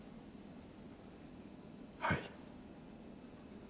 はい。